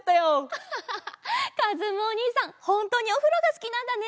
アハハハかずむおにいさんほんとにおふろがすきなんだね！